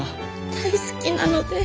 大好きなので。